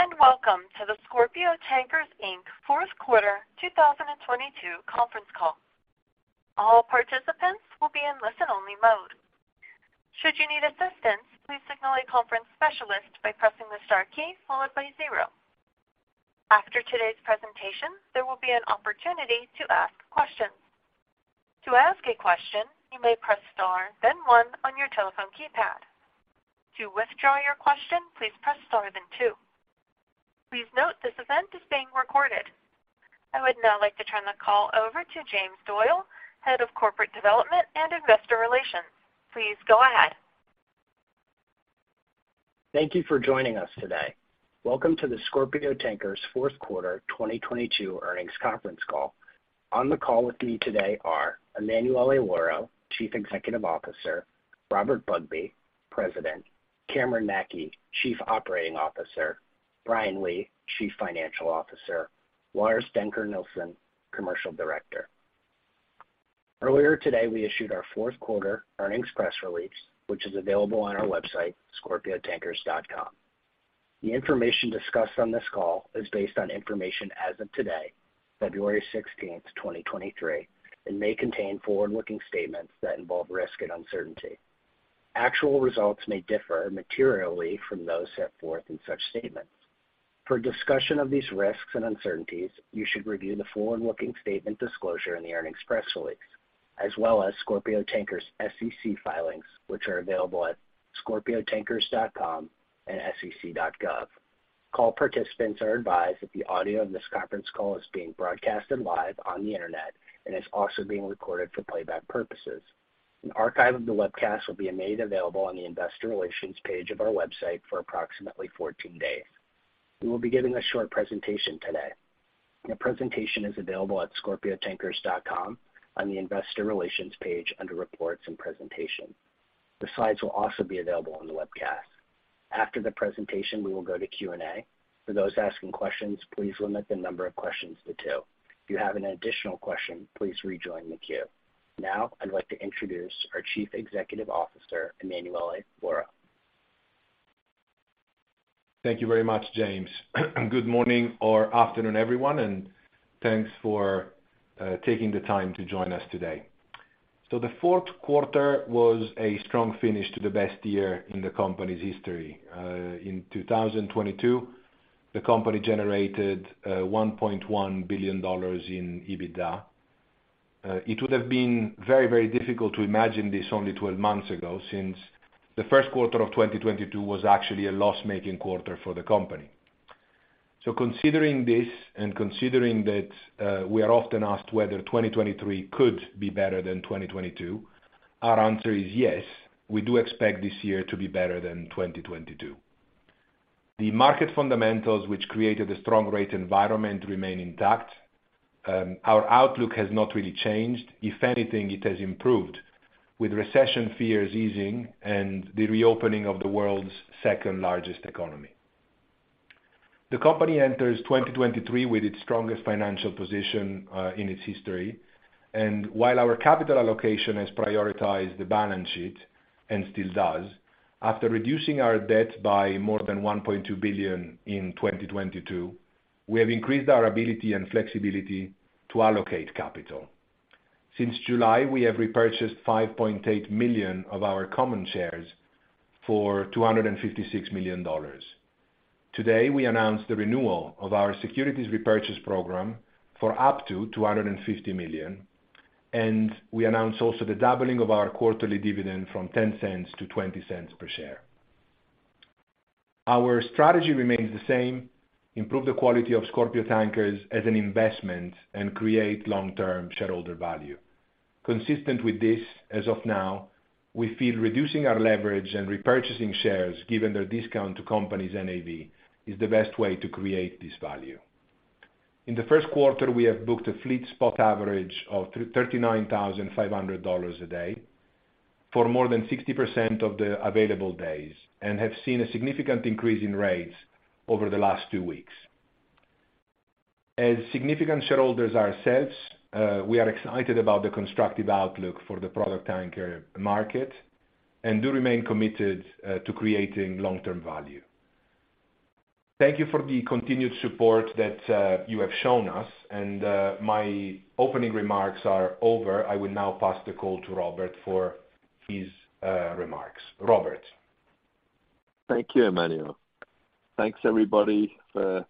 Hello, welcome to the Scorpio Tankers Inc. Fourth quarter 2022 Conference Call. All participants will be in listen-only mode. Should you need assistance, please signal a conference specialist by pressing the star key followed by zero. After today's presentation, there will be an opportunity to ask questions. To ask a question, you may press Star then one on your telephone keypad. To withdraw your question, please press Star then two. Please note this event is being recorded. I would now like to turn the call over to James Doyle, Head of Corporate Development and Investor Relations. Please go ahead. Thank you for joining us today. Welcome to the Scorpio Tankers fourth quarter 2022 earnings conference call. On the call with me today are Emanuele Lauro, Chief Executive Officer, Robert Bugbee, President, Cameron Mackey, Chief Operating Officer, Brian Lee, Chief Financial Officer, Lars Dencker Nielsen, Commercial Director. Earlier today, we issued our fourth quarter earnings press release, which is available on our website, scorpiotankers.com. The information discussed on this call is based on information as of today, February 16th, 2023, and may contain forward-looking statements that involve risk and uncertainty. Actual results may differ materially from those set forth in such statements. For a discussion of these risks and uncertainties, you should review the forward-looking statement disclosure in the earnings press release, as well as Scorpio Tankers' SEC filings, which are available at scorpiotankers.com and sec.gov. Call participants are advised that the audio of this conference call is being broadcast live on the Internet and is also being recorded for playback purposes. An archive of the webcast will be made available on the investor relations page of our website for approximately 14 days. We will be giving a short presentation today. The presentation is available at scorpiotankers.com on the investor relations page under Reports and Presentation. The slides will also be available on the webcast. After the presentation, we will go to Q&A. For those asking questions, please limit the number of questions to two. If you have an additional question, please rejoin the queue. Now, I'd like to introduce our Chief Executive Officer, Emanuele Lauro. Thank you very much, James. Good morning or afternoon, everyone, thanks for taking the time to join us today. The fourth quarter was a strong finish to the best year in the company's history. In 2022, the company generated $1.1 billion in EBITDA. It would have been very, very difficult to imagine this only 12 months ago, since the first quarter of 2022 was actually a loss-making quarter for the company. Considering this and considering that we are often asked whether 2023 could be better than 2022, our answer is yes, we do expect this year to be better than 2022. The market fundamentals which created a strong rate environment remain intact. Our outlook has not really changed. If anything, it has improved with recession fears easing and the reopening of the world's second-largest economy. The company enters 2023 with its strongest financial position, in its history. While our capital allocation has prioritized the balance sheet, and still does, after reducing our debt by more than $1.2 billion in 2022, we have increased our ability and flexibility to allocate capital. Since July, we have repurchased 5.8 million of our common shares for $256 million. Today, we announced the renewal of our securities repurchase program for up to $250 million, and we announced also the doubling of our quarterly dividend from $0.10 to $0.20 per share. Our strategy remains the same: improve the quality of Scorpio Tankers as an investment and create long-term shareholder value. Consistent with this, as of now, we feel reducing our leverage and repurchasing shares, given their discount to company's NAV, is the best way to create this value. In the first quarter, we have booked a fleet spot average of $39,500 a day for more than 60% of the available days and have seen a significant increase in rates over the last two weeks. As significant shareholders ourselves, we are excited about the constructive outlook for the product tanker market and do remain committed to creating long-term value. Thank you for the continued support that you have shown us and my opening remarks are over. I will now pass the call to Robert for his remarks. Robert. Thank you, Emanuele. Thanks everybody for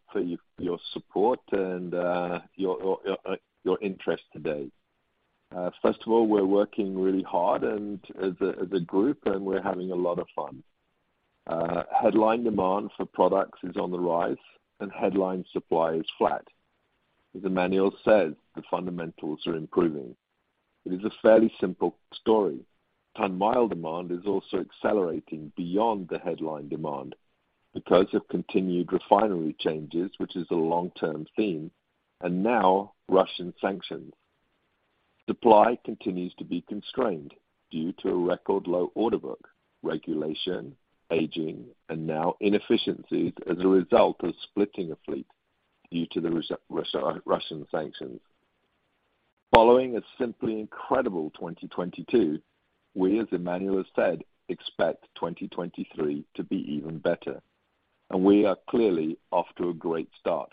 your support and your interest today. First of all, we're working really hard as a group, and we're having a lot of fun. Headline demand for products is on the rise and headline supply is flat. As Emanuele says, the fundamentals are improving. It is a fairly simple story. Ton-mile demand is also accelerating beyond the headline demand because of continued refinery changes, which is a long-term theme, and now Russian sanctions. Supply continues to be constrained due to a record low order book, regulation, aging, and now inefficiencies as a result of splitting a fleet due to the Russian sanctions. Following a simply incredible 2022, we, as Emanuele has said, expect 2023 to be even better, and we are clearly off to a great start.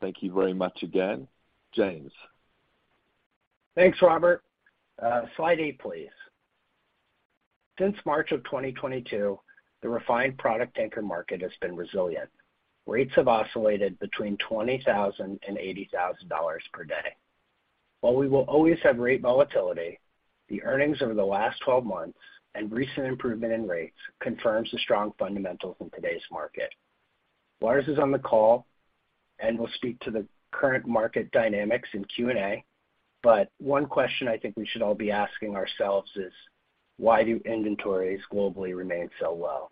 Thank you very much again. James. Thanks, Robert. Slide eight, please. Since March of 2022, the refined product tanker market has been resilient. Rates have oscillated between $20,000 and $80,000 per day. While we will always have rate volatility, the earnings over the last 12 months and recent improvement in rates confirms the strong fundamentals in today's market. Lars is on the call, will speak to the current market dynamics in Q&A. One question I think we should all be asking ourselves is: why do inventories globally remain so low?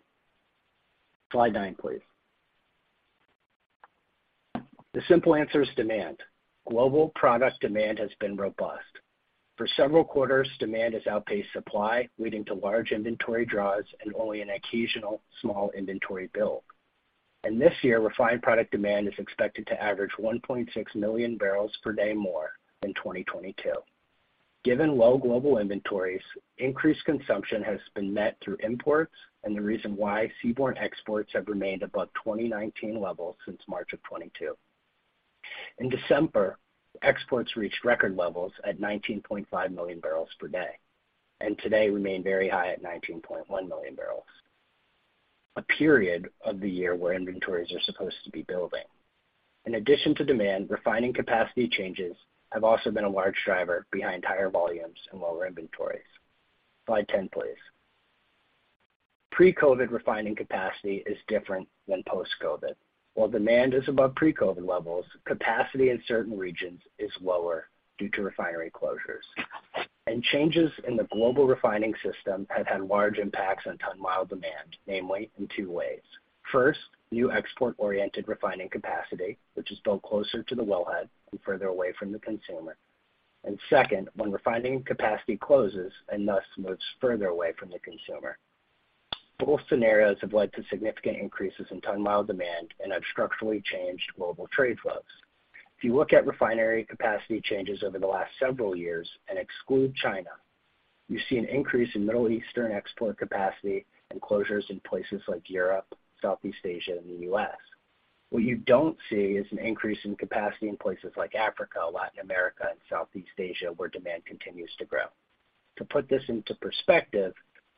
Slide nine, please. The simple answer is demand. Global product demand has been robust. For several quarters, demand has outpaced supply, leading to large inventory draws and only an occasional small inventory build. This year, refined product demand is expected to average 1.6 million barrels per day more than 2022. Given low global inventories, increased consumption has been met through imports and the reason why seaborne exports have remained above 2019 levels since March of 2022. In December, exports reached record levels at 19.5 million barrels per day, and today remain very high at 19.1 million barrels. A period of the year where inventories are supposed to be building. In addition to demand, refining capacity changes have also been a large driver behind higher volumes and lower inventories. Slide 10, please. Pre-COVID refining capacity is different than post-COVID. While demand is above pre-COVID levels, capacity in certain regions is lower due to refinery closures. Changes in the global refining system have had large impacts on ton-mile demand, namely in two ways. First, new export-oriented refining capacity, which is built closer to the wellhead and further away from the consumer. Second, when refining capacity closes and thus moves further away from the consumer. Both scenarios have led to significant increases in Ton-mile demand and have structurally changed global trade flows. If you look at refinery capacity changes over the last several years and exclude China, you see an increase in Middle Eastern export capacity and closures in places like Europe, Southeast Asia, and the U.S. What you don't see is an increase in capacity in places like Africa, Latin America, and Southeast Asia, where demand continues to grow. To put this into perspective,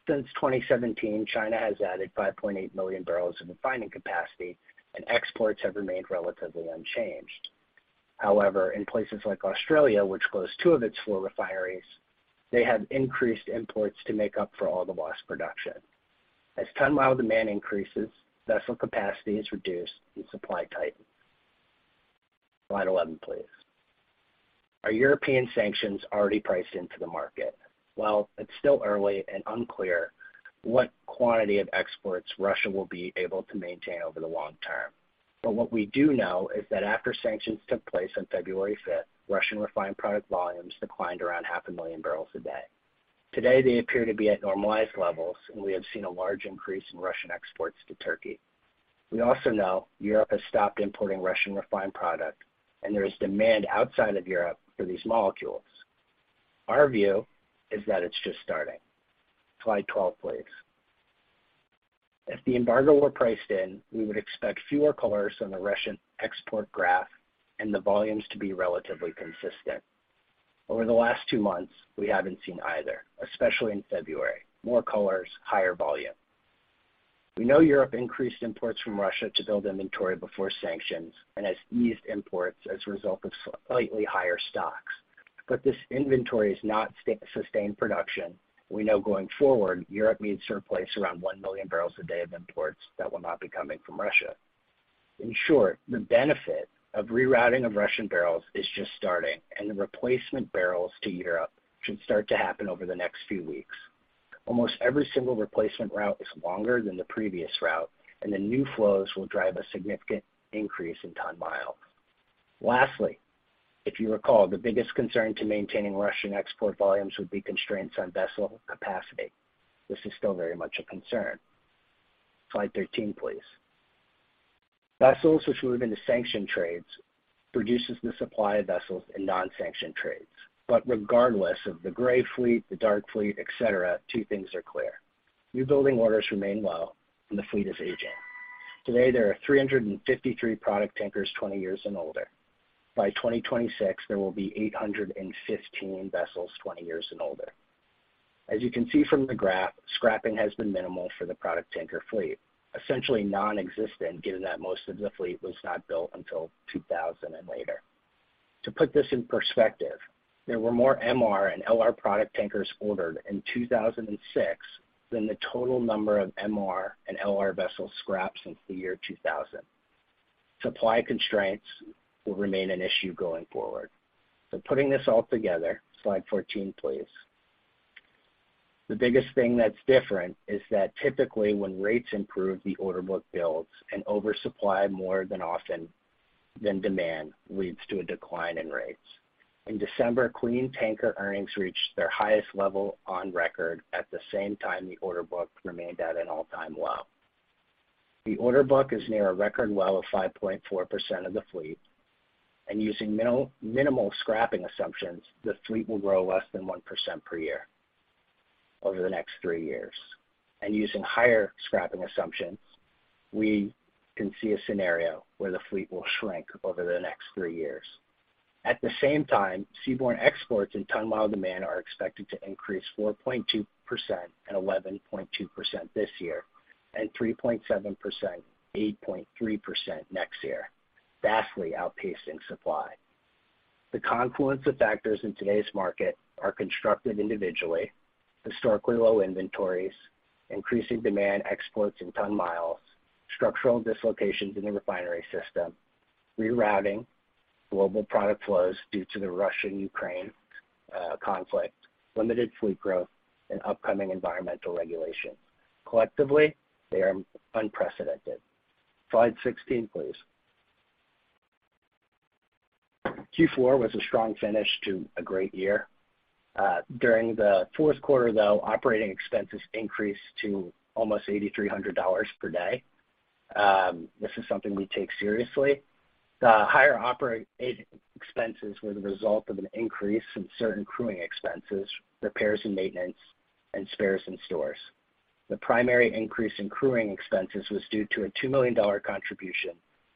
since 2017, China has added 5.8 million barrels of refining capacity, and exports have remained relatively unchanged. However, in places like Australia, which closed two of its four refineries, they have increased imports to make up for all the lost production. As ton-mile demand increases, vessel capacity is reduced and supply tightens. Slide 11, please. Are European sanctions already priced into the market? Well, it's still early and unclear what quantity of exports Russia will be able to maintain over the long term. What we do know is that after sanctions took place on February 5th, Russian refined product volumes declined around 500,000 barrels a day. Today, they appear to be at normalized levels, and we have seen a large increase in Russian exports to Turkey. We also know Europe has stopped importing Russian refined product, and there is demand outside of Europe for these molecules. Our view is that it's just starting. Slide 12, please. If the embargo were priced in, we would expect fewer colors on the Russian export graph and the volumes to be relatively consistent. Over the last two months, we haven't seen either, especially in February. More colors, higher volume. We know Europe increased imports from Russia to build inventory before sanctions and has eased imports as a result of slightly higher stocks. This inventory has not sustained production. We know going forward, Europe needs to replace around 1 million barrels a day of imports that will not be coming from Russia. In short, the benefit of rerouting of Russian barrels is just starting, and the replacement barrels to Europe should start to happen over the next few weeks. Almost every single replacement route is longer than the previous route, and the new flows will drive a significant increase in ton-miles. Lastly, if you recall, the biggest concern to maintaining Russian export volumes would be constraints on vessel capacity. This is still very much a concern. Slide 13, please. Vessels which move into sanctioned trades reduces the supply of vessels in non-sanctioned trades. Regardless of the gray fleet, the dark fleet, et cetera, two things are clear. New building orders remain low and the fleet is aging. Today, there are 353 product tankers 20 years and older. By 2026, there will be 815 vessels 20 years and older. As you can see from the graph, scrapping has been minimal for the product tanker fleet, essentially nonexistent, given that most of the fleet was not built until 2000 and later. To put this in perspective, there were more MR and LR product tankers ordered in 2006 than the total number of MR and LR vessels scrapped since the year 2000. Supply constraints will remain an issue going forward. Putting this all together, slide 14, please. The biggest thing that's different is that typically when rates improve, the order book builds and oversupply more often than demand leads to a decline in rates. In December, clean tanker earnings reached their highest level on record at the same time the order book remained at an all-time low. The order book is near a record low of 5.4% of the fleet. Using minimal scrapping assumptions, the fleet will grow less than 1% per year over the next three years. Using higher scrapping assumptions, we can see a scenario where the fleet will shrink over the next three years. At the same time, seaborne exports and ton-mile demand are expected to increase 4.2% and 11.2% this year and 3.7%, 8.3% next year, vastly outpacing supply. The confluence of factors in today's market are constructed individually. Historically low inventories, increasing demand exports and ton-miles, structural dislocations in the refinery system, rerouting global product flows due to the Russian-Ukraine conflict, limited fleet growth and upcoming environmental regulation. Collectively, they are unprecedented. Slide 16, please. Q4 was a strong finish to a great year. During the fourth quarter, though, operating expenses increased to almost $8,300 per day. This is something we take seriously. The higher operating expenses were the result of an increase in certain crewing expenses, repairs and maintenance, and spares in stores. The primary increase in crewing expenses was due to a $2 million contribution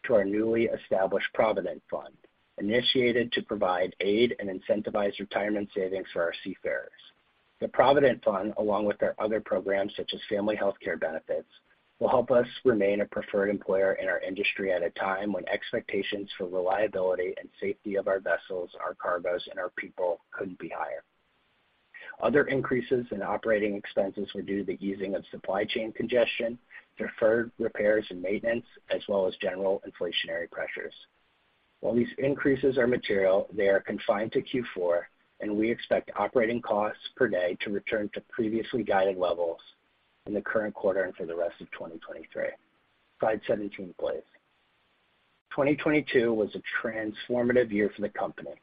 to our newly established Provident Fund, initiated to provide aid and incentivized retirement savings for our seafarers. The Provident Fund, along with our other programs, such as family healthcare benefits, will help us remain a preferred employer in our industry at a time when expectations for reliability and safety of our vessels, our cargoes, and our people couldn't be higher. Other increases in operating expenses were due to the easing of supply chain congestion, deferred repairs and maintenance, as well as general inflationary pressures. While these increases are material, they are confined to Q4, and we expect operating costs per day to return to previously guided levels in the current quarter and for the rest of 2023. Slide 17, please. 2022 was a transformative year for the company.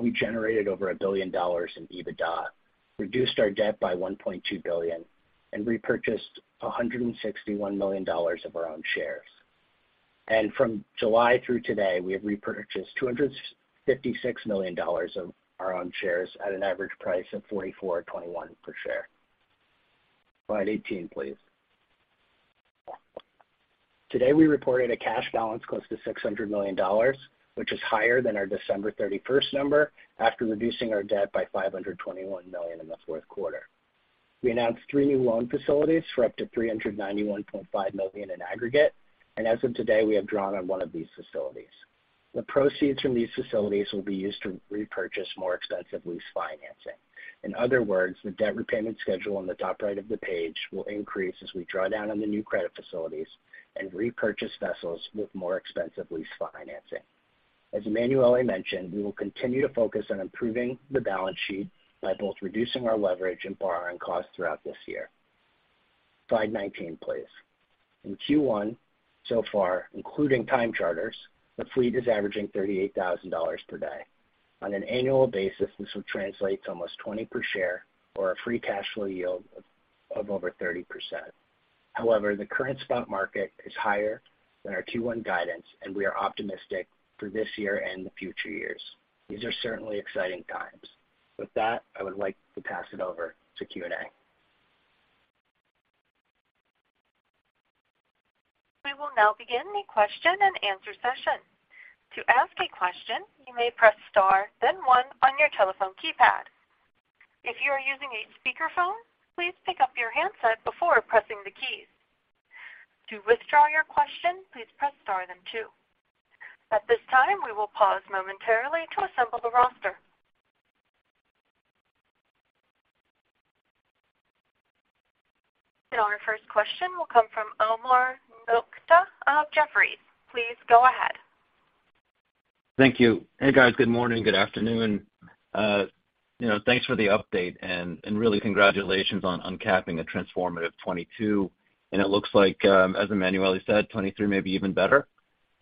We generated over $1 billion in EBITDA, reduced our debt by $1.2 billion, and repurchased $161 million of our own shares. From July through today, we have repurchased $256 million of our own shares at an average price of $44.21 per share. Slide 18, please. Today, we reported a cash balance close to $600 million, which is higher than our December 31st number after reducing our debt by $521 million in the fourth quarter. We announced three new loan facilities for up to $391.5 million in aggregate. As of today, we have drawn on one of these facilities. The proceeds from these facilities will be used to repurchase more expensive lease financing. In other words, the debt repayment schedule on the top right of the page will increase as we draw down on the new credit facilities and repurchase vessels with more expensive lease financing. As Emanuele mentioned, we will continue to focus on improving the balance sheet by both reducing our leverage and borrowing costs throughout this year. Slide 19, please. In Q1 so far, including time charters, the fleet is averaging $38,000 per day. On an annual basis, this would translate to almost $20 per share or a free cash flow yield of over 30%. However, the current spot market is higher than our Q1 guidance, and we are optimistic for this year and the future years. These are certainly exciting times. With that, I would like to pass it over to Q&A. We will now begin the question and answer session. To ask a question, you may press star then one on your telephone keypad. If you are using a speakerphone, please pick up your handset before pressing the keys. To withdraw your question, please press star then two. At this time, we will pause momentarily to assemble the roster. Our first question will come from Omar Nokta of Jefferies. Please go ahead. Thank you. Hey, guys. Good morning, good afternoon. you know, thanks for the update and really congratulations on capping a transformative 2022. It looks like, as Emanuele said, 2023 may be even better.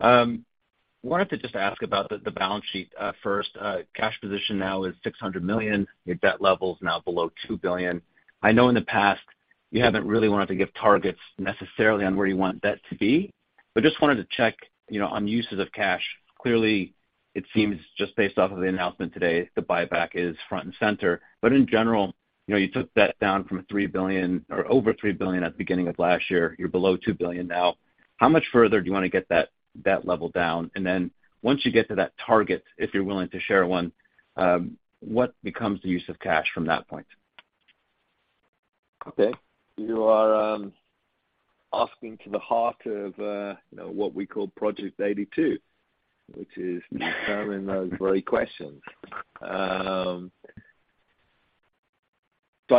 Wanted to just ask about the balance sheet, first. Cash position now is $600 million. Your debt level is now below $2 billion. I know in the past, you haven't really wanted to give targets necessarily on where you want debt to be, but just wanted to check, you know, on uses of cash. Clearly, it seems just based off of the announcement today, the buyback is front and center. In general, you know, you took that down from a $3 billion or over $3 billion at the beginning of last year. You're below $2 billion now. How much further do you wanna get that debt level down? Once you get to that target, if you're willing to share one, what becomes the use of cash from that point? Okay. You are asking to the heart of, you know, what we call Project 82, which is determining those very questions. I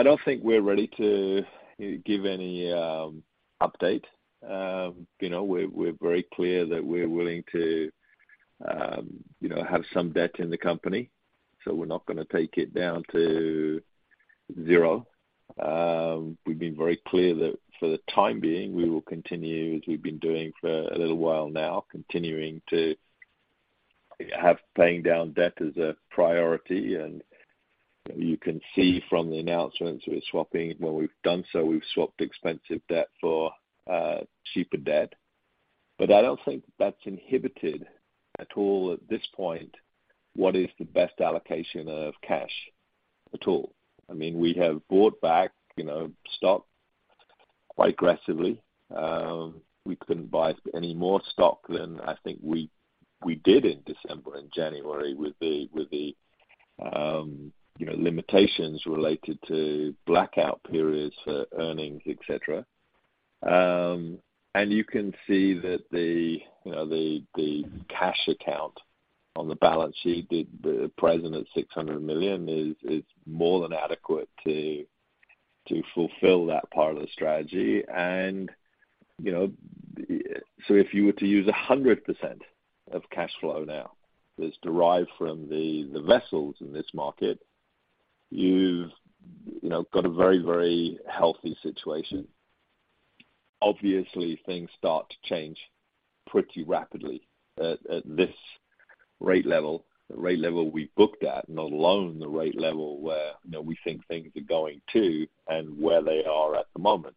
don't think we're ready to give any update. You know, we're very clear that we're willing to, you know, have some debt in the company, so we're not gonna take it down to zero. We've been very clear that for the time being, we will continue as we've been doing for a little while now, continuing to Have paying down debt as a priority. You can see from the announcements we're swapping. When we've done so, we've swapped expensive debt for cheaper debt. I don't think that's inhibited at all at this point what is the best allocation of cash at all. I mean, we have bought back, you know, stock quite aggressively. We couldn't buy any more stock than I think we did in December and January with the, with the, you know, limitations related to blackout periods, earnings, et cetera. You can see that the, you know, the cash account on the balance sheet, the present at $600 million is more than adequate to fulfill that part of the strategy. You know, so if you were to use 100% of cash flow now that's derived from the vessels in this market, you've, you know, got a very, very healthy situation. Obviously, things start to change pretty rapidly at this rate level, the rate level we booked at, let alone the rate level where, you know, we think things are going to and where they are at the moment.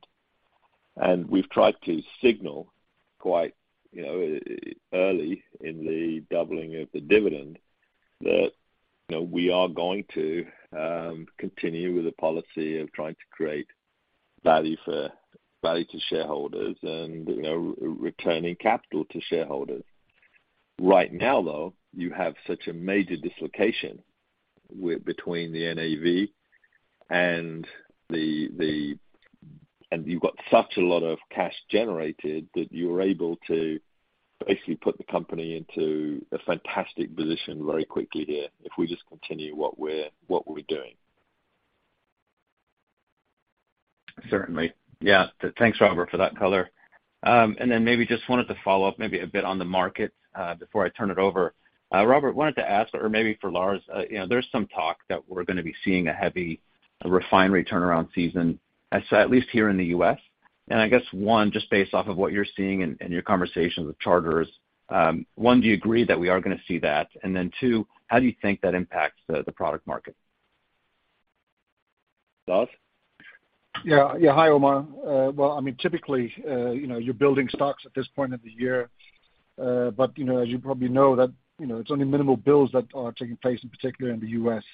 We've tried to signal quite, you know, early in the doubling of the dividend that, you know, we are going to continue with the policy of trying to create value to shareholders and, you know, returning capital to shareholders. Right now, though, you have such a major dislocation with between the NAV and the and you've got such a lot of cash generated, that you're able to basically put the company into a fantastic position very quickly here if we just continue what we're doing. Certainly. Yeah. Thanks, Robert, for that color. Maybe just wanted to follow up maybe a bit on the market, before I turn it over. Robert wanted to ask, or maybe for Lars, you know, there's some talk that we're gonna be seeing a heavy refinery turnaround season at least here in the U.S. I guess, one, just based off of what you're seeing in your conversations with charters, one, do you agree that we are gonna see that? two, how do you think that impacts the product market? Lars? Yeah. Yeah. Hi, Omar. Well, I mean, typically, you know, you're building stocks at this point of the year, but, you know, as you probably know that, you know, it's only minimal builds that are taking place, in particular in the U.S.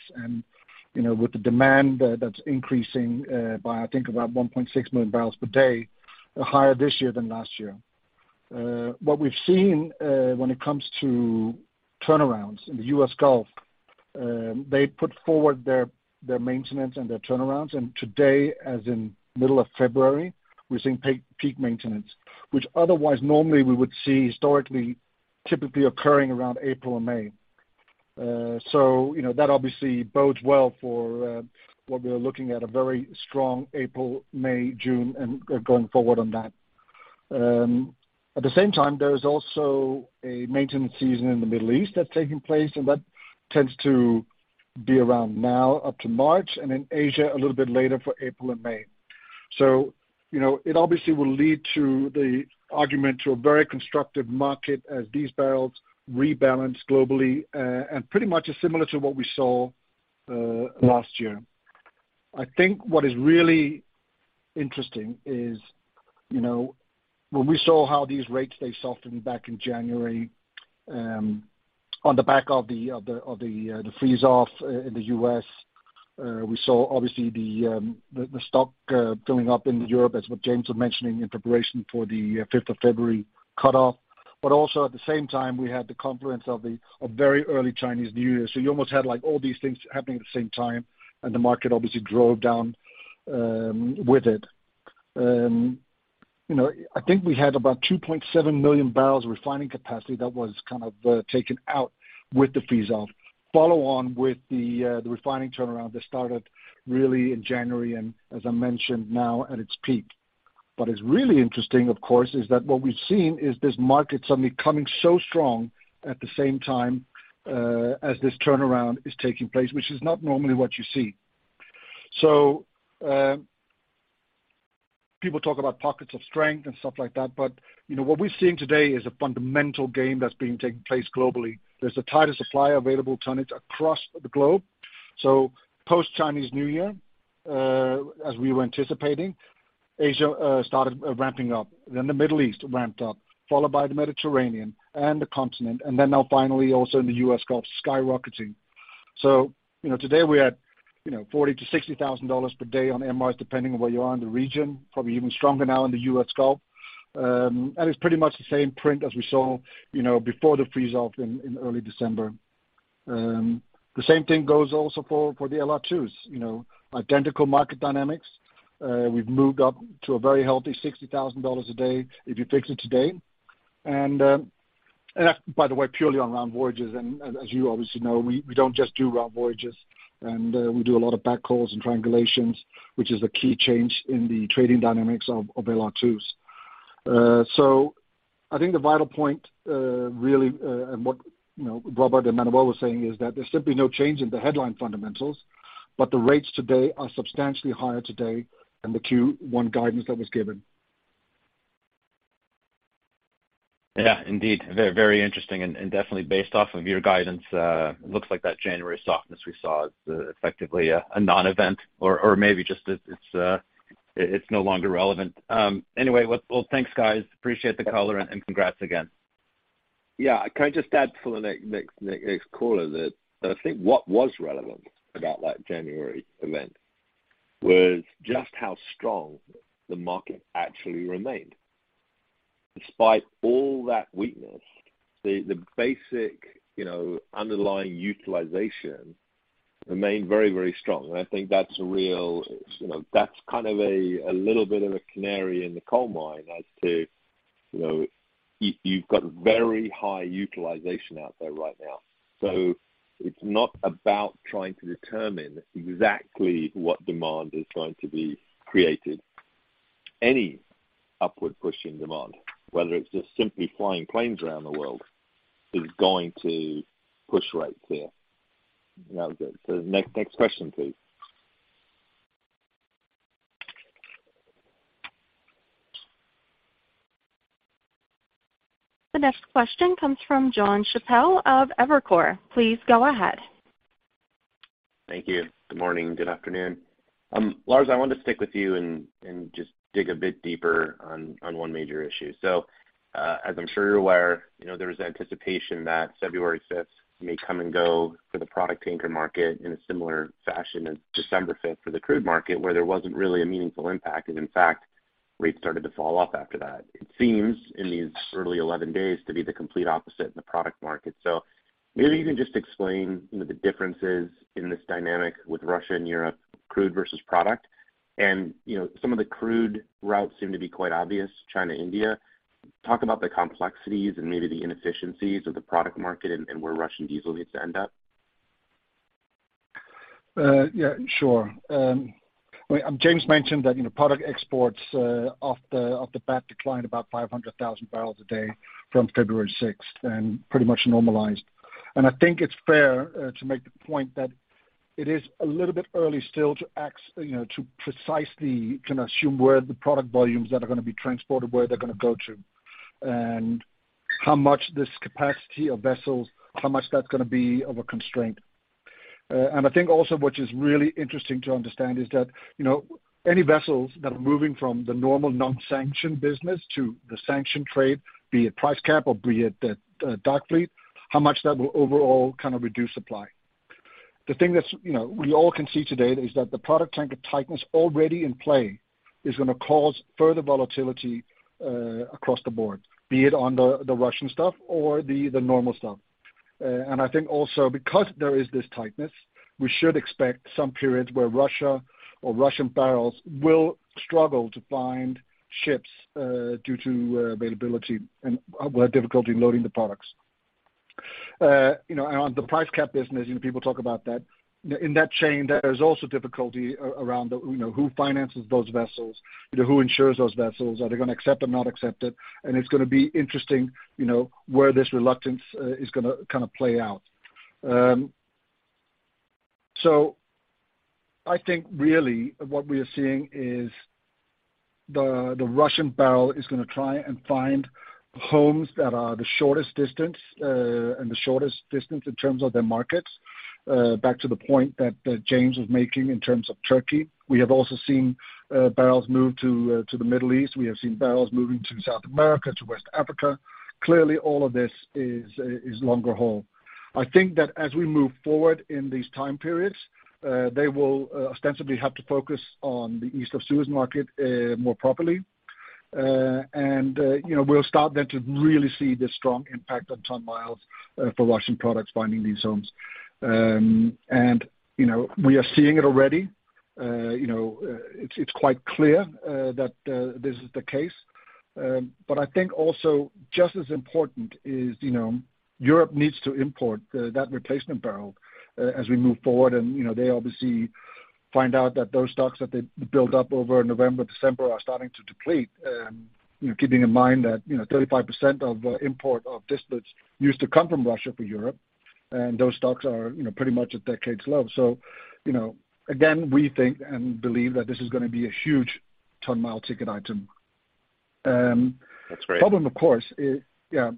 You know, with the demand that's increasing, by, I think about 1.6 million barrels per day are higher this year than last year. What we've seen, when it comes to turnarounds in the U.S. Gulf, they put forward their maintenance and their turnarounds. Today, as in middle of February, we're seeing peak maintenance, which otherwise normally we would see historically, typically occurring around April or May. You know, that obviously bodes well for what we are looking at, a very strong April, May, June going forward on that. At the same time, there is also a maintenance season in the Middle East that's taking place, and that tends to be around now up to March, and in Asia a little bit later for April and May. You know, it obviously will lead to the argument to a very constructive market as these barrels rebalance globally, and pretty much is similar to what we saw last year. I think what is really interesting is, you know, when we saw how these rates they softened back in January, on the back of the freeze off in the U.S., we saw obviously the stock filling up in Europe as what James was mentioning in preparation for the February 5th cut off. Also at the same time we had the confluence of a very early Chinese New Year. You almost had like all these things happening at the same time, and the market obviously drove down with it. You know, I think we had about 2.7 million barrels of refining capacity that was kind of taken out with the freeze off. Follow on with the refining turnaround that started really in January and as I mentioned now at its peak. What is really interesting, of course, is that what we've seen is this market suddenly coming so strong at the same time as this turnaround is taking place, which is not normally what you see. People talk about pockets of strength and stuff like that, but you know, what we're seeing today is a fundamental game that's being taking place globally. There's a tighter supply available tonnage across the globe. Post Chinese New Year, as we were anticipating, Asia started ramping up, then the Middle East ramped up, followed by the Mediterranean and the continent, and then now finally also in the US Gulf skyrocketing. You know, today we're at, you know, $40,000-$60,000 per day on MRs, depending on where you are in the region, probably even stronger now in the US Gulf. And it's pretty much the same print as we saw, you know, before the freeze off in early December. The same thing goes also for the LR2s. You know, identical market dynamics. We've moved up to a very healthy $60,000 a day if you fix it today. By the way, purely on round voyages and as you obviously know, we don't just do round voyages and we do a lot of backhauls and triangulations, which is the key change in the trading dynamics of LR2s. I think the vital point, really, and what, you know, Robert and Emmanuel were saying is that there's simply no change in the headline fundamentals, but the rates today are substantially higher today than the Q1 guidance that was given. Yeah, indeed. Very interesting and definitely based off of your guidance, looks like that January softness we saw is effectively a non-event or maybe just it's no longer relevant. Anyway, well, thanks guys. Appreciate the color and congrats again. Can I just add for the next caller that I think what was relevant about that January event was just how strong the market actually remained. Despite all that weakness, the basic, you know, underlying utilization remained very, very strong. I think that's a real, you know, that's kind of a little bit of a canary in the coal mine as to, you know, you've got very high utilization out there right now. It's not about trying to determine exactly what demand is going to be created. Any upward pushing demand, whether it's just simply flying planes around the world, is going to push rates here. The next question, please. The next question comes from John Chappell of Evercore. Please go ahead. Thank you. Good morning. Good afternoon. Lars, I wanted to stick with you and just dig a bit deeper on one major issue. As I'm sure you're aware, you know, there is anticipation that February 5th may come and go for the product tanker market in a similar fashion as December fifth for the crude market, where there wasn't really a meaningful impact. In fact, rates started to fall off after that. It seems in these early 11 days to be the complete opposite in the product market. Maybe you can just explain the differences in this dynamic with Russia and Europe, crude versus product. You know, some of the crude routes seem to be quite obvious, China, India. Talk about the complexities and maybe the inefficiencies of the product market and where Russian diesel needs to end up. James mentioned that, you know, product exports, off the, off the bat declined about 500,000 barrels a day from February 6th and pretty much normalized. I think it's fair to make the point that it is a little bit early still to you know, to precisely kind of assume where the product volumes that are gonna be transported, where they're gonna go to, and how much this capacity of vessels, how much that's gonna be of a constraint. I think also what is really interesting to understand is that, you know, any vessels that are moving from the normal non-sanction business to the sanction trade, be it price cap or be it the dark fleet, how much that will overall kind of reduce supply. The thing that's, you know, we all can see today is that the product tanker tightness already in play is gonna cause further volatility across the board, be it on the Russian stuff or the normal stuff. I think also because there is this tightness, we should expect some periods where Russia or Russian barrels will struggle to find ships due to availability and will have difficulty loading the products. You know, on the price cap business, you know, people talk about that. In that chain, there is also difficulty around the, you know, who finances those vessels, you know, who insures those vessels, are they gonna accept or not accept it? It's gonna be interesting, you know, where this reluctance is gonna kind of play out. I think really what we are seeing is the Russian barrel is gonna try and find homes that are the shortest distance, and the shortest distance in terms of their markets. Back to the point that James was making in terms of Turkey. We have also seen barrels move to the Middle East. We have seen barrels moving to South America, to West Africa. Clearly, all of this is longer haul. I think that as we move forward in these time periods, they will ostensibly have to focus on the East of Suez market more properly. You know, we'll start then to really see the strong impact on ton-miles for Russian products finding these homes. You know, we are seeing it already. you know, it's quite clear that this is the case. I think also just as important is, you know, Europe needs to import the, that replacement barrel as we move forward. you know, they obviously find out that those stocks that they built up over November, December are starting to deplete. you know, keeping in mind that, you know, 35% of import of distillates used to come from Russia for Europe, and those stocks are, you know, pretty much at decades low. you know, again, we think and believe that this is gonna be a huge ton-mile ticket item. That's great. Problem of course. Yeah.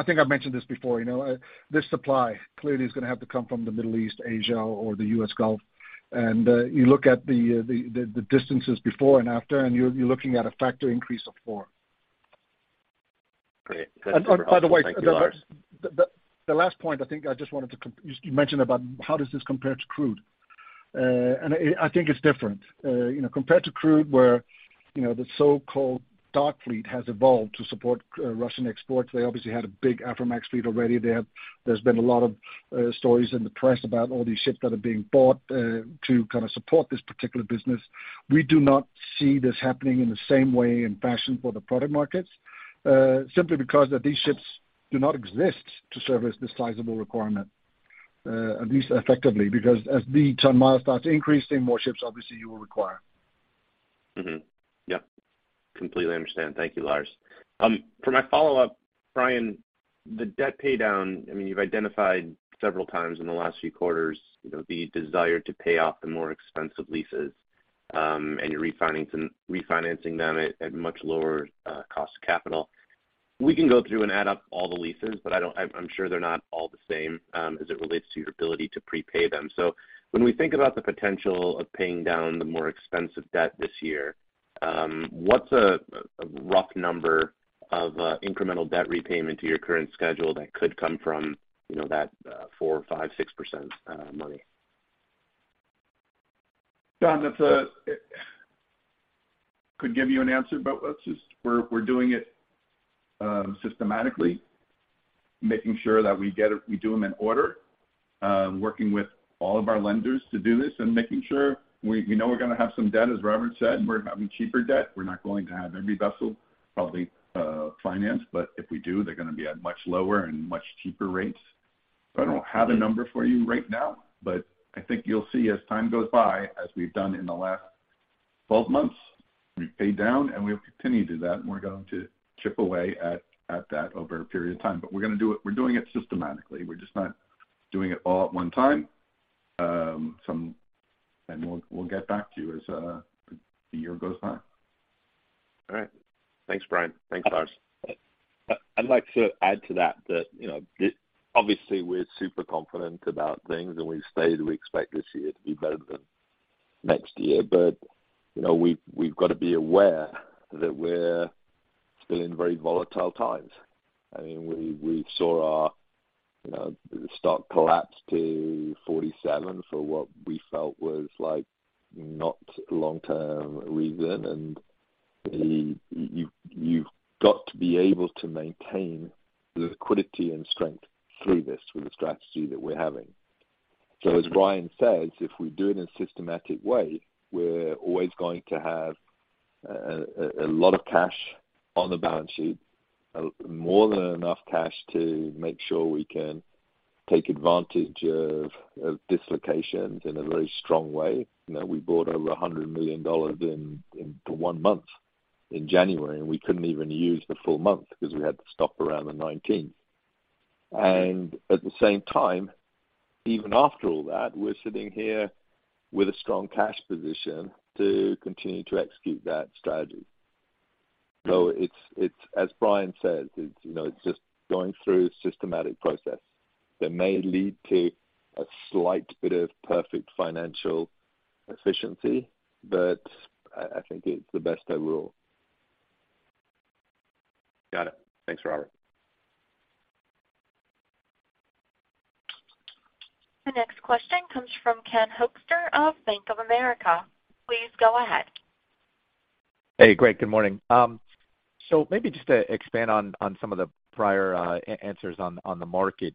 I think I've mentioned this before, you know. This supply clearly is gonna have to come from the Middle East, Asia, or the US Gulf. You look at the, the distances before and after, you're looking at a factor increase of four. Great. By the way, the last point I think I just wanted You mentioned about how does this compare to crude? I think it's different. You know, compared to crude, where, you know, the so-called dark fleet has evolved to support Russian exports. They obviously had a big Aframax fleet already. There's been a lot of stories in the press about all these ships that are being bought to kinda support this particular business. We do not see this happening in the same way and fashion for the product markets, simply because that these ships do not exist to service this sizable requirement, at least effectively, because as the Ton-mile starts increasing, more ships obviously you will require. Yep. Completely understand. Thank you, Lars. For my follow-up, Brian, the debt pay down, I mean, you've identified several times in the last few quarters, you know, the desire to pay off the more expensive leases, and you're refinancing them at much lower cost of capital. We can go through and add up all the leases, but I'm sure they're not all the same as it relates to your ability to prepay them. When we think about the potential of paying down the more expensive debt this year, what's a rough number of incremental debt repayment to your current schedule that could come from, you know, that 4%, 5%, 6% money? John. Could give you an answer. We're doing it systematically, making sure that we get it, we do them in order, working with all of our lenders to do this and making sure we know we're gonna have some debt, as Robert said, and we're having cheaper debt. We're not going to have every vessel probably financed, but if we do, they're gonna be at much lower and much cheaper rates. I don't have a number for you right now, but I think you'll see as time goes by, as we've done in the last 12 months, we've paid down, and we'll continue to do that, and we're going to chip away at that over a period of time. We're gonna do it, we're doing it systematically. We're just not doing it all at one time. We'll get back to you as the year goes by. All right. Thanks, Brian. Thanks, Lars. I'd like to add to that, you know, obviously, we're super confident about things, and we've stated we expect this year to be better than next year. You know, we've got to be aware that we're still in very volatile times. I mean, we saw our, you know, stock collapse to $47 for what we felt was, like, not long-term reason. You've got to be able to maintain the liquidity and strength through this with the strategy that we're having. As Brian says, if we do it in a systematic way, we're always going to have a lot of cash on the balance sheet, more than enough cash to make sure we can take advantage of dislocations in a very strong way. You know, we bought over $100 million in one month in January, and we couldn't even use the full month because we had to stop around the 19th. At the same time, even after all that, we're sitting here with a strong cash position to continue to execute that strategy. It's as Brian says, it's, you know, just going through a systematic process that may lead to a slight bit of perfect financial efficiency, but I think it's the best overall. Got it. Thanks, Robert. The next question comes from Ken Hoexter of Bank of America. Please go ahead. Hey, great. Good morning. Maybe just to expand on some of the prior answers on the market.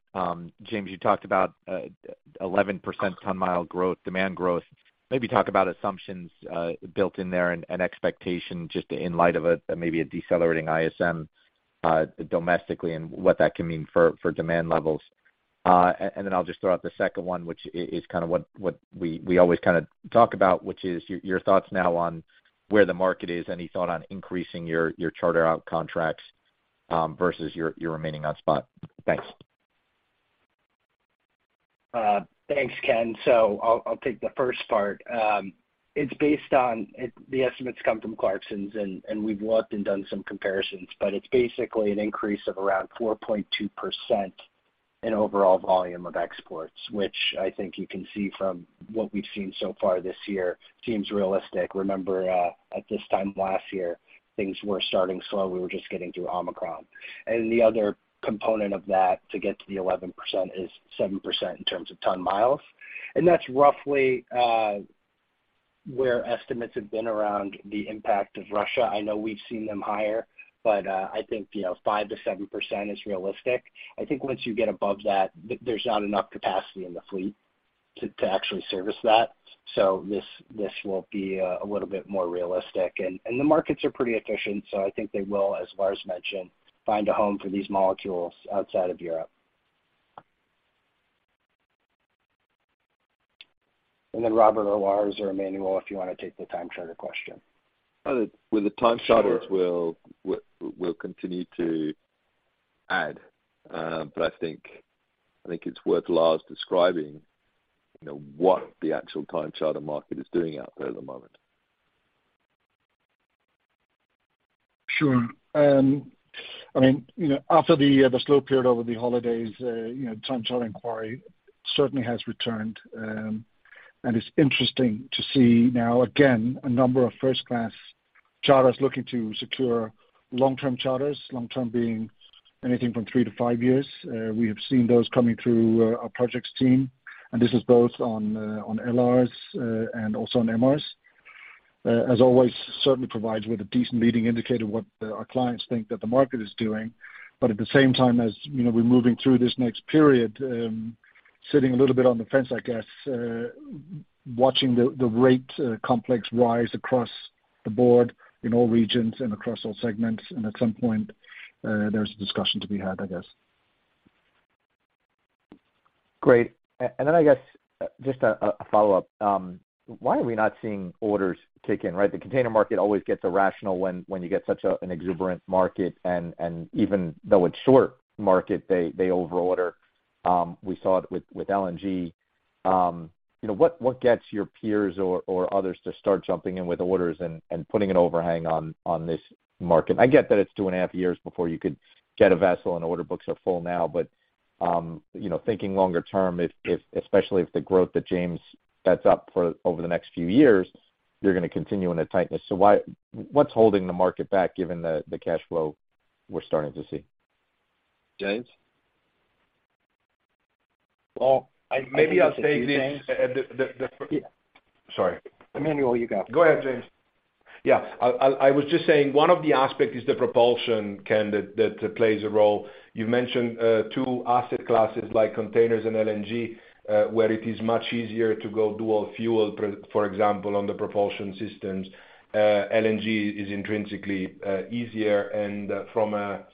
James, you talked about 11% ton-mile growth, demand growth. Maybe talk about assumptions built in there and expectation just in light of maybe a decelerating ISM domestically and what that can mean for demand levels. Then I'll just throw out the second one, which is kind of what we always kind of talk about, which is your thoughts now on where the market is. Any thought on increasing your charter out contracts versus your remaining on spot? Thanks. Thanks, Ken. I'll take the first part. The estimates come from Clarksons, and we've looked and done some comparisons. It's basically an increase of around 4.2% in overall volume of exports, which I think you can see from what we've seen so far this year seems realistic. Remember, at this time last year, things were starting slow. We were just getting through Omicron. The other component of that to get to the 11% is 7% in terms of ton-miles. That's roughly where estimates have been around the impact of Russia. I know we've seen them higher, but I think, you know, 5%-7% is realistic. I think once you get above that, there's not enough capacity in the fleet to actually service that. This will be a little bit more realistic. The markets are pretty efficient, so I think they will, as Lars mentioned, find a home for these molecules outside of Europe. Robert or Lars or Emanuele, if you wanna take the time charter question. With the time charters. We'll continue to add. I think it's worth Lars describing, you know, what the actual time charter market is doing out there at the moment. Sure. I mean, you know, after the slow period over the holidays, you know, time charter inquiry certainly has returned. It's interesting to see now again, a number of first-class charters looking to secure long-term charters, long-term being anything from 3-5 years. We have seen those coming through our projects team, and this is both on LR's and also on MR's. As always, certainly provides with a decent leading indicator what our clients think that the market is doing. At the same time, as, you know, we're moving through this next period, sitting a little bit on the fence, I guess, watching the rate complex rise across the board in all regions and across all segments. At some point, there's a discussion to be had, I guess. Great. Then I guess, just a follow-up. Why are we not seeing orders kick in, right? The container market always gets irrational when you get such an exuberant market and even though it's short market, they over-order. We saw it with LNG. You know, what gets your peers or others to start jumping in with orders and putting an overhang on this market? I get that it's two and a half years before you could get a vessel and order books are full now. You know, thinking longer term, if especially if the growth that James sets up for over the next few years, you're gonna continue in the tightness. Why what's holding the market back given the cash flow we're starting to see? James? Well, I, maybe I'll say this. Sorry. Emanuele, you go. Go ahead, James. I was just saying one of the aspect is the propulsion, Ken, that plays a role. You've mentioned two asset classes like containers and LNG, where it is much easier to go dual fuel for example, on the propulsion systems. LNG is intrinsically easier. From a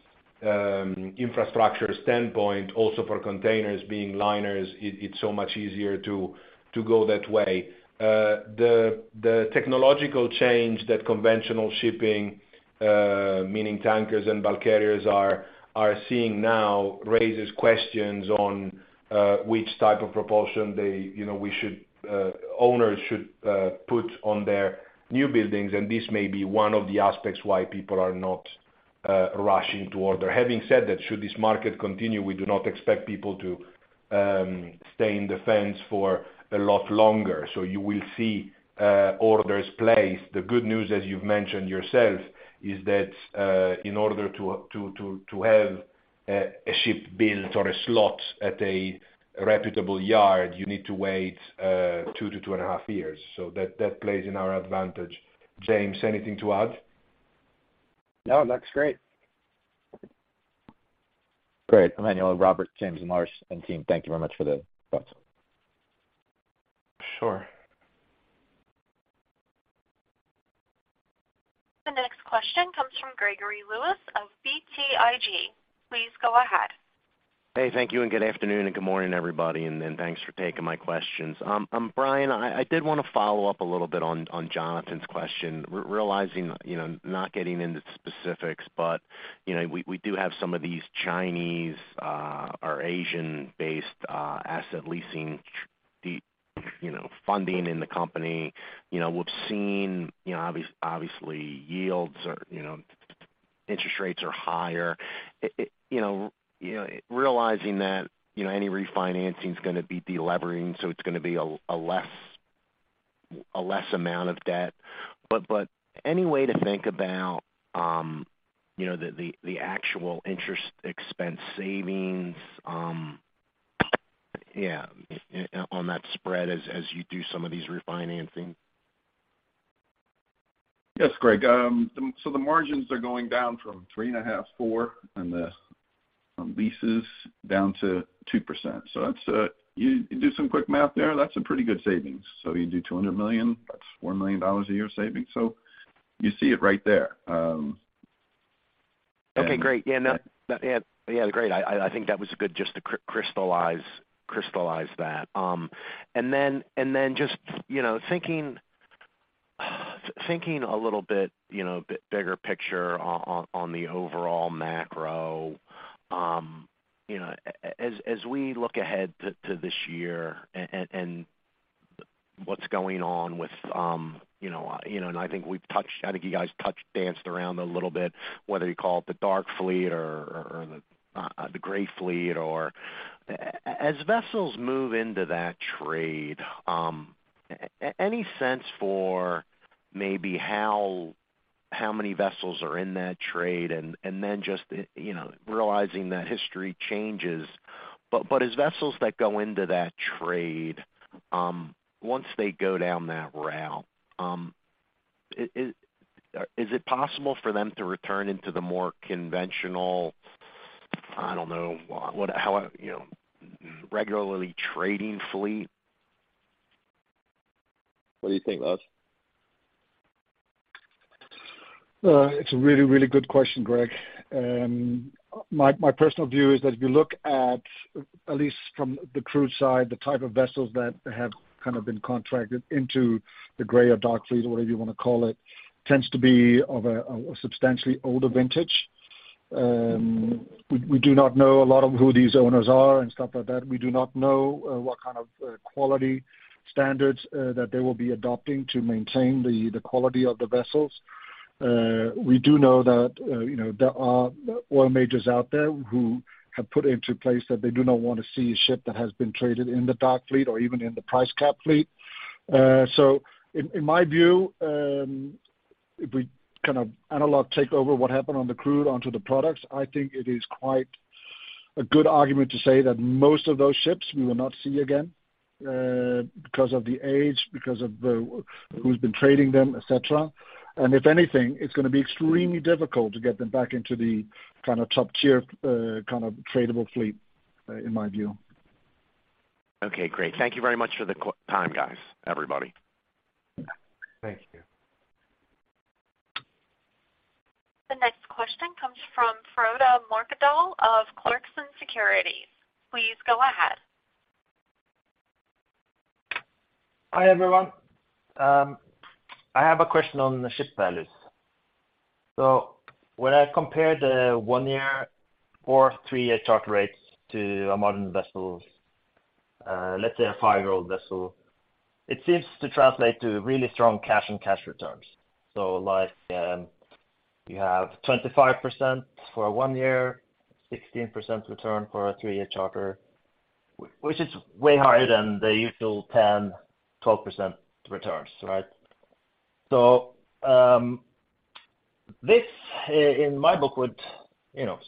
infrastructure standpoint, also for containers being liners, it's so much easier to go that way. The technological change that conventional shipping, meaning tankers and bulk carriers are seeing now raises questions on which type of propulsion they, you know, we should, owners should, put on their new buildings, and this may be one of the aspects why people are not rushing to order. Having said that, should this market continue, we do not expect people to stay in the fence for a lot longer. You will see orders placed. The good news, as you've mentioned yourself, is that in order to have a ship built or a slot at a reputable yard, you need to wait 2-2.5 years. That plays in our advantage. James, anything to add? No, that's great. Great. Emanuele, Robert, James, Lars, and team, thank you very much for the thoughts. Sure. The next question comes from Gregory Lewis of BTIG. Please go ahead. Hey, thank you and good afternoon and good morning, everybody, and thanks for taking my questions. Brian, I did wanna follow up a little bit on Jonathan's question. Realizing, you know, not getting into specifics, but, you know, we do have some of these Chinese, or Asian-based, asset leasing, you know, funding in the company. You know, we've seen, obviously yields or, you know, interest rates are higher. Realizing that, you know, any refinancing is gonna be delevering, so it's gonna be a less amount of debt. Any way to think about, you know, the actual interest expense savings, on that spread as you do some of these refinancing? Yes, Greg. The margins are going down from 3.5-4 on the leases down to 2%. That's, you do some quick math there, that's a pretty good savings. You do $200 million, that's $4 million a year savings. You see it right there. Okay, great. Yeah, no, yeah, great. I think that was good just to crystallize that. Then just, you know, thinking a little bit, you know, bit bigger picture on the overall macro. As we look ahead to this year and what's going on with, you know, and I think we've touched, I think you guys touched, danced around a little bit, whether you call it the dark fleet or the gray fleet or. As vessels move into that trade, any sense for maybe how many vessels are in that trade? Then just, you know, realizing that history changes. As vessels that go into that trade, once they go down that route, is it possible for them to return into the more conventional, I don't know, what, how, you know, regularly trading fleet? What do you think, Lars? It's a really, really good question, Greg. My personal view is that if you look at least from the crew side, the type of vessels that have kind of been contracted into the gray or dark fleet or whatever you wanna call it, tends to be of a substantially older vintage. We do not know a lot of who these owners are and stuff like that. We do not know what kind of quality standards that they will be adopting to maintain the quality of the vessels. We do know that, you know, there are oil majors out there who have put into place that they do not wanna see a ship that has been traded in the dark fleet or even in the price cap fleet. So in my view, if we kind of analog take over what happened on the crude onto the products, I think it is quite a good argument to say that most of those ships we will not see again, because of the age, because of the, who's been trading them, et cetera. If anything, it's gonna be extremely difficult to get them back into the kind of top-tier, kind of tradable fleet, in my view. Okay, great. Thank you very much for the time, guys, everybody. Thank you. From Frode Mørkedal of Clarksons Securities. Please go ahead. Hi, everyone. I have a question on the ship values. When I compare the one year or three year charter rates to a modern vessel, let's say a five year-old vessel, it seems to translate to really strong cash and cash returns. You have 25% for one year, 16% return for a three year charter, which is way higher than the usual 10%, 12% returns, right? This in my book would, you know,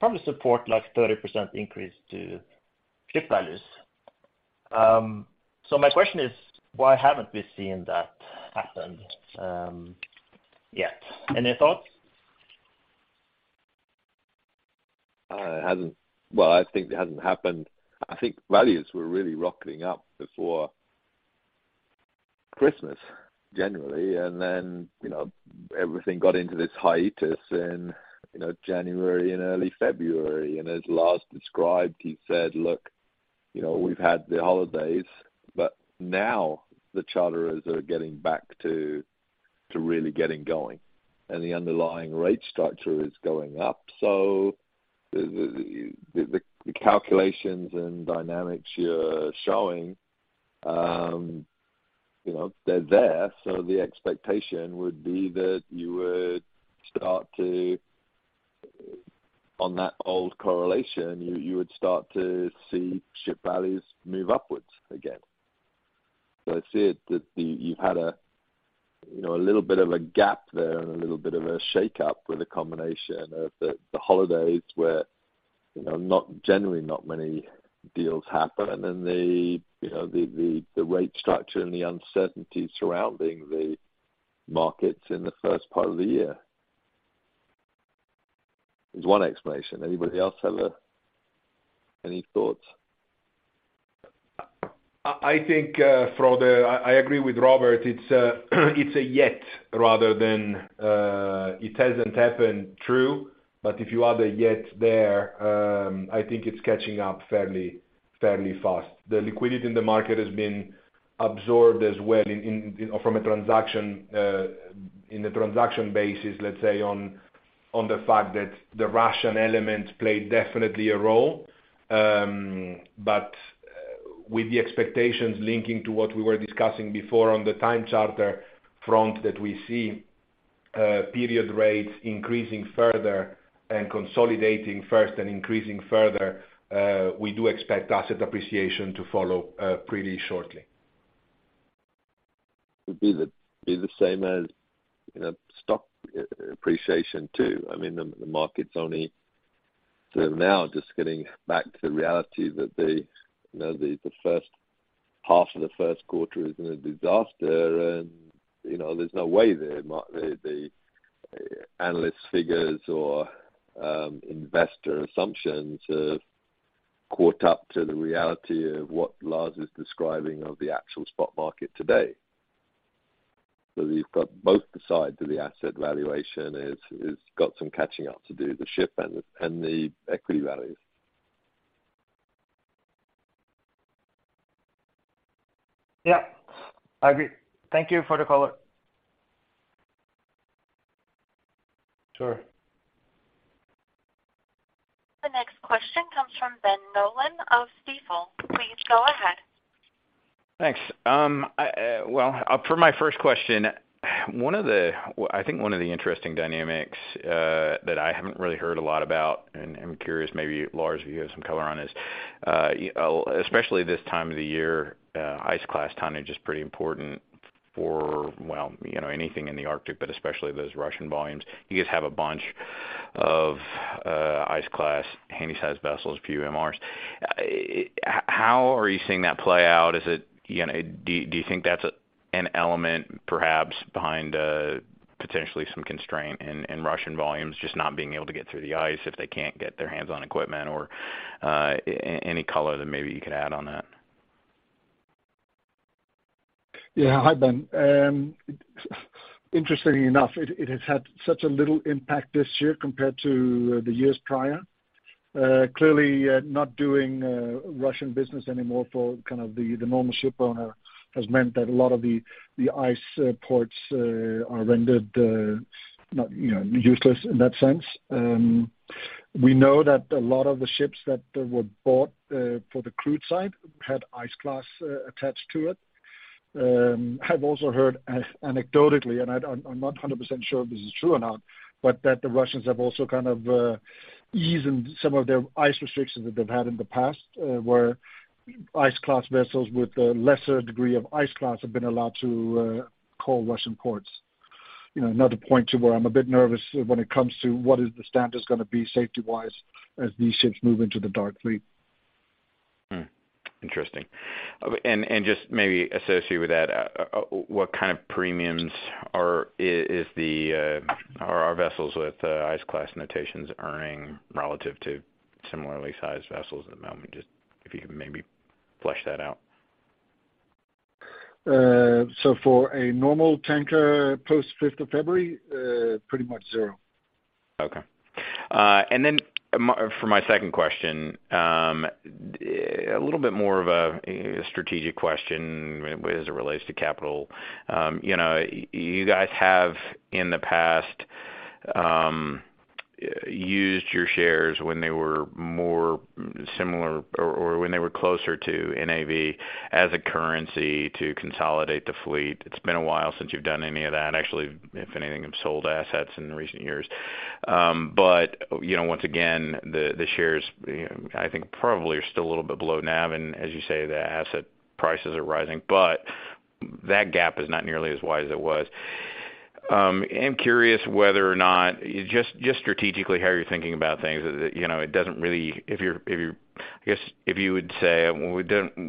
probably support like 30% increase to ship values. My question is, why haven't we seen that happen yet? Any thoughts? It hasn't... Well, I think it hasn't happened. I think values were really rocketing up before Christmas, generally, and then, you know, everything got into this hiatus in, you know, January and early February. As Lars described, he said, "Look, you know, we've had the holidays, but now the charterers are getting back to really getting going, and the underlying rate structure is going up." The calculations and dynamics you're showing, you know, they're there. The expectation would be that you would start to, on that old correlation, you would start to see ship values move upwards again. I see it that you've had a, you know, a little bit of a gap there and a little bit of a shakeup with a combination of the holidays where, you know, not, generally not many deals happen. The, you know, the rate structure and the uncertainty surrounding the markets in the first part of the year. Is one explanation. Anybody else have any thoughts? I think, Frode, I agree with Robert. It's a yet rather than, it hasn't happened, true. If you add a yet there, I think it's catching up fairly fast. The liquidity in the market has been absorbed as well in, you know, from a transaction, in the transaction basis, let's say, on the fact that the Russian element played definitely a role. With the expectations linking to what we were discussing before on the time charter front that we see, period rates increasing further and consolidating first and increasing further, we do expect asset appreciation to follow, pretty shortly. It'd be the same as, you know, stock appreciation, too. I mean, the market's only sort of now just getting back to reality that, you know, the 1st half of the first quarter is in a disaster and, you know, there's no way the analyst figures or investor assumptions have caught up to the reality of what Lars is describing of the actual spot market today. We've got both the sides of the asset valuation is got some catching up to do, the ship and the equity values. Yeah, I agree. Thank you for the color. Sure. The next question comes from Ben Nolan of Stifel. Please go ahead. Thanks. Well, for my first question, I think one of the interesting dynamics that I haven't really heard a lot about, and I'm curious, maybe Lars, if you have some color on this, you know, especially this time of the year, ice class tonnage is pretty important for, well, you know, anything in the Arctic, but especially those Russian volumes. You guys have a bunch of ice class handy size vessels, a few MRs. How are you seeing that play out? Is it, you know, do you think that's an element perhaps behind potentially some constraint in Russian volumes just not being able to get through the ice if they can't get their hands on equipment or any color that maybe you could add on that? Hi, Ben. Interestingly enough, it has had such a little impact this year compared to the years prior. Clearly, not doing Russian business anymore for kind of the normal shipowner has meant that a lot of the ice ports are rendered not, you know, useless in that sense. We know that a lot of the ships that were bought for the crude side had ice class attached to it. I've also heard anecdotally, and I'm not 100% sure if this is true or not, but that the Russians have also kind of eased some of their ice restrictions that they've had in the past, where ice class vessels with a lesser degree of ice class have been allowed to call Russian ports. You know, another point to where I'm a bit nervous when it comes to what is the standard is gonna be safety-wise as these ships move into the dark fleet. Interesting. Just maybe associated with that, what kind of premiums are vessels with ice class notations earning relative to similarly sized vessels at the moment? Just if you can maybe flesh that out. For a normal tanker post 5th of February, pretty much zero. Okay. For my second question, a little bit more of a strategic question as it relates to capital. You know, you guys have, in the past, used your shares when they were more similar or when they were closer to NAV as a currency to consolidate the fleet. It's been a while since you've done any of that, actually, if anything, have sold assets in recent years. You know, once again, the shares, I think, probably are still a little bit below NAV. As you say, the asset prices are rising, but that gap is not nearly as wide as it was. I'm curious whether or not, just strategically, how you're thinking about things. You know, it doesn't really... If you're... I guess if you would say,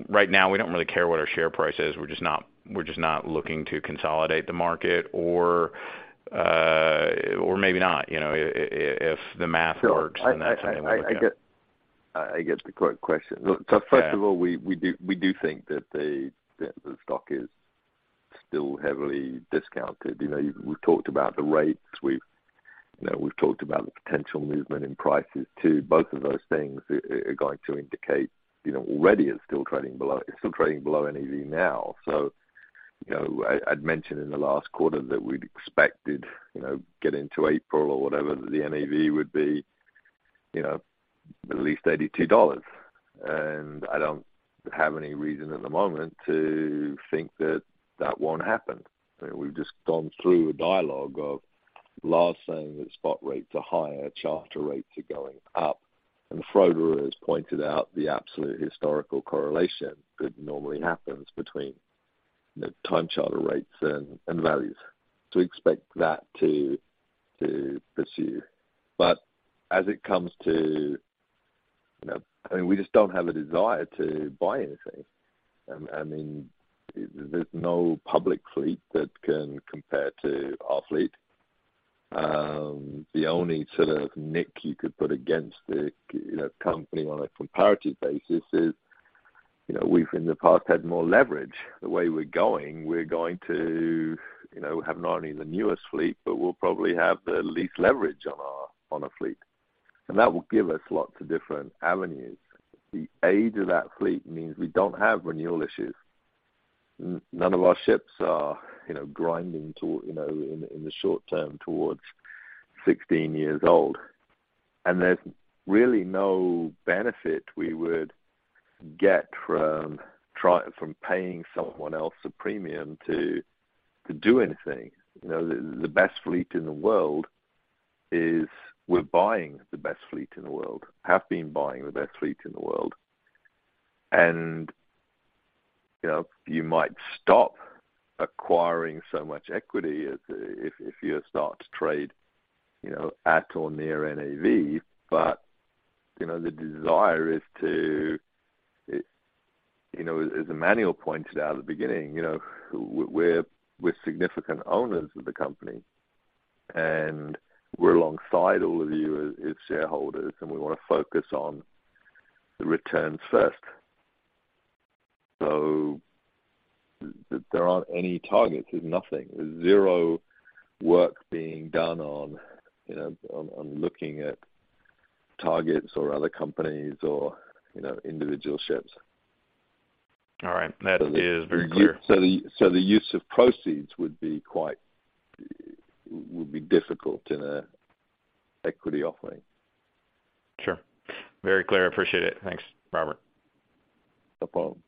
Right now, we don't really care what our share price is. We're just not looking to consolidate the market or maybe not, you know, if the math works, and that's something we'll look at. I get, I get the question. Yeah. First of all, we do think that the stock is still heavily discounted. You know, we've talked about the rates. We've, you know, we've talked about the potential movement in prices too. Both of those things are going to indicate, you know, already it's still trading below NAV now. You know, I'd mentioned in the last quarter that we'd expected, you know, get into April or whatever, the NAV would be, you know, at least $82. I don't have any reason at the moment to think that that won't happen. We've just gone through a dialogue of Lars saying that spot rates are higher, charter rates are going up. Frode has pointed out the absolute historical correlation that normally happens between the time charter rates and values. We expect that to pursue. As it comes to, you know, I mean, we just don't have a desire to buy anything. I mean, there's no public fleet that can compare to our fleet. The only sort of nick you could put against the, you know, company on a comparative basis is, you know, we've in the past had more leverage. The way we're going to, you know, have not only the newest fleet, but we'll probably have the least leverage on a fleet. That will give us lots of different avenues. The age of that fleet means we don't have renewal issues. None of our ships are, you know, grinding toward, you know, in the short term, towards 16 years old. There's really no benefit we would get from paying someone else a premium to do anything. You know, the best fleet in the world is we're buying the best fleet in the world, have been buying the best fleet in the world. You know, you might stop acquiring so much equity as if you start to trade, you know, at or near NAV, but, you know, the desire is to, you know, as Emanuele Lauro pointed out at the beginning, you know, we're significant owners of the company, and we're alongside all of you as shareholders, and we wanna focus on the returns first. There aren't any targets. There's nothing. There's zero work being done on, you know, on looking at targets or other companies or, you know, individual ships. All right. That is very clear. The use of proceeds would be quite difficult in an equity offering. Sure. Very clear. I appreciate it. Thanks, Robert. No problem.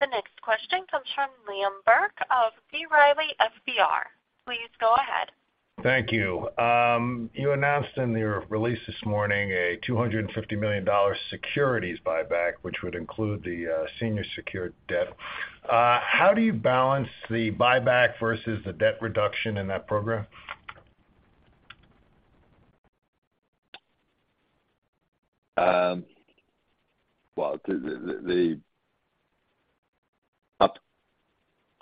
The next question comes from Liam Burke of B. Riley Securities. Please go ahead. Thank you. You announced in your release this morning a $250 million securities buyback, which would include the senior secured debt. How do you balance the buyback versus the debt reduction in that program? Well,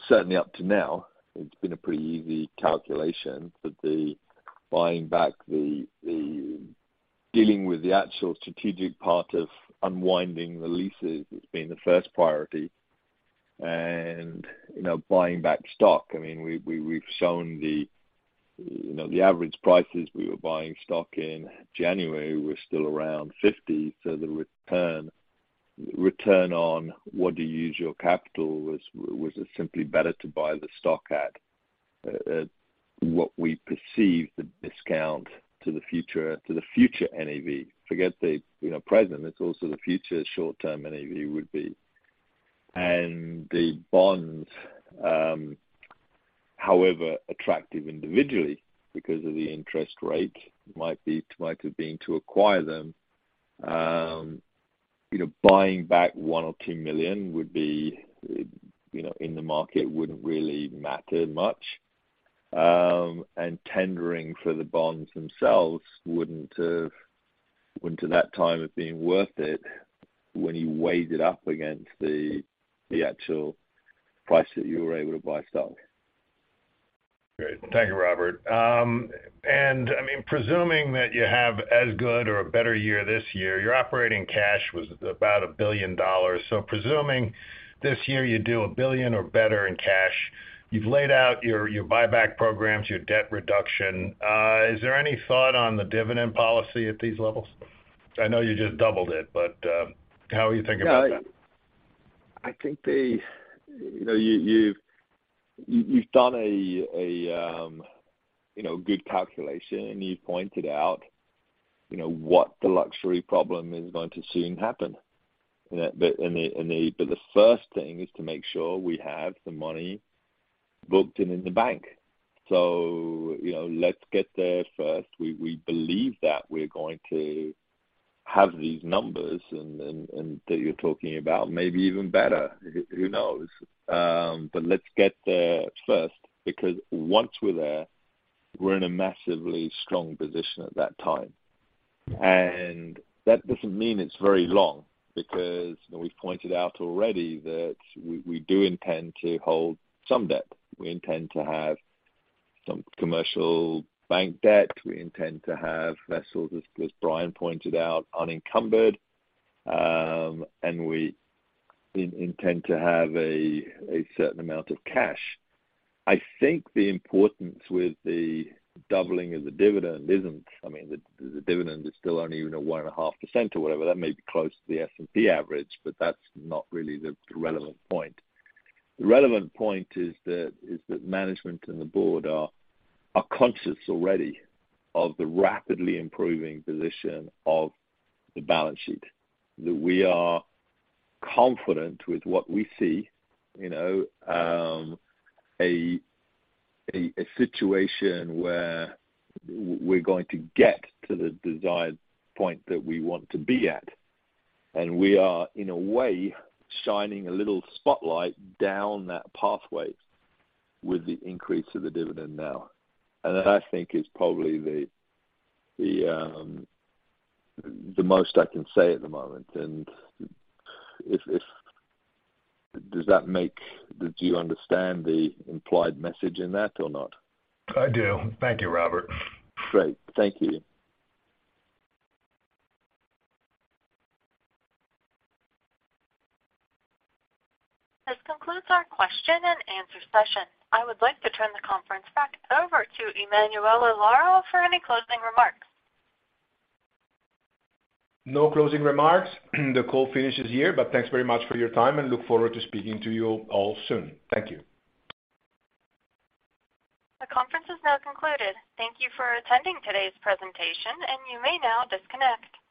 certainly up to now, it's been a pretty easy calculation. The buying back the dealing with the actual strategic part of unwinding the leases has been the first priority. You know, buying back stock, I mean, we've shown the, you know, the average prices we were buying stock in January was still around 50. The return on what to use your capital was simply better to buy the stock at what we perceive the discount to the future, to the future NAV. Forget the, you know, present. It's also the future short-term NAV would be. The bonds, however attractive individually because of the interest rate might be, might have been to acquire them, you know, buying back $1 million or $2 million would be, you know, in the market wouldn't really matter much. Tendering for the bonds themselves wouldn't at that time have been worth it when you weighed it up against the actual price that you were able to buy stock. Great. Thank you, Robert. I mean, presuming that you have as good or a better year this year, your operating cash was about $1 billion. Presuming this year you do $1 billion or better in cash, you've laid out your buyback programs, your debt reduction. Is there any thought on the dividend policy at these levels? I know you just doubled it, but, how are you thinking about that? I think You know, you've done a, you know, good calculation, and you pointed out what the luxury problem is going to soon happen. The first thing is to make sure we have the money booked and in the bank. You know, let's get there first. We believe that we're going to have these numbers and that you're talking about maybe even better. Who knows? Let's get there first, because once we're there, we're in a massively strong position at that time. That doesn't mean it's very long because we've pointed out already that we do intend to hold some debt. We intend to have some commercial bank debt. We intend to have vessels, as Brian pointed out, unencumbered. We intend to have a certain amount of cash. I think the importance with the doubling of the dividend isn't. I mean, the dividend is still only even a 1.5% or whatever. That may be close to the S&P average, that's not really the relevant point. The relevant point is that management and the board are conscious already of the rapidly improving position of the balance sheet. That we are confident with what we see, you know, a situation where we're going to get to the desired point that we want to be at. We are, in a way, shining a little spotlight down that pathway with the increase of the dividend now. That I think is probably the most I can say at the moment. If. Does that make? Do you understand the implied message in that or not? I do. Thank you, Robert. Great. Thank you. This concludes our question and answer session. I would like to turn the conference back over to Emanuele Lauro for any closing remarks. No closing remarks. The call finishes here. Thanks very much for your time and look forward to speaking to you all soon. Thank you. The conference is now concluded. Thank you for attending today's presentation. You may now disconnect.